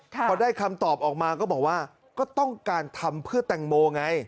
พอได้คำตอบออกมาก็บอกว่าก็ต้องการทำเพื่อแตงโมไง